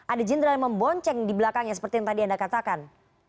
ada jenderal yang membonceng di belakangnya seperti yang tadi anda katakan